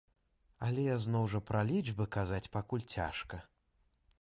Але, зноў жа, пра лічбы казаць пакуль цяжка.